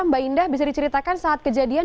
mbak indah bisa diceritakan saat kejadian